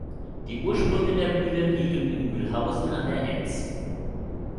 Die Ursprünge der Mühle liegen in Mühlhausen an der Enz.